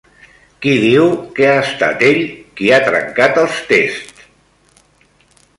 Qui diu que ha estat ell qui ha trencat els tests?